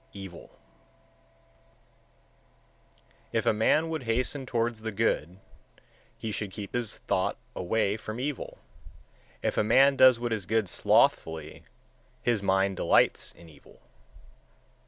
Evil 116. If a man would hasten towards the good, he should keep his thought away from evil; if a man does what is good slothfully, his mind delights in evil.